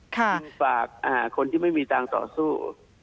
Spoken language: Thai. จึงฝากคนที่ไม่มีทางต่อสู้